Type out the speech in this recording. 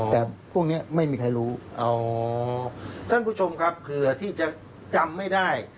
แต่พวกนี้ไม่มีใครรู้อ๋อท่านผู้ชมครับเผื่อที่จะจำไม่ได้